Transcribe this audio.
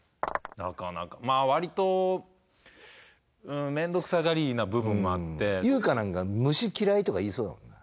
なかなかまあ割とめんどくさがりな部分もあって優香なんか虫嫌いとか言いそうだもんな